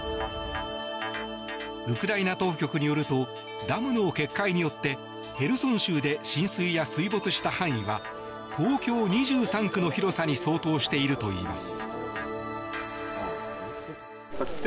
ウクライナ当局によるとダムの決壊によってヘルソン州で浸水や水没した範囲は東京２３区の広さに相当しているといいます。